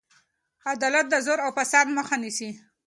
عدالت د زور او فساد مخه نیسي.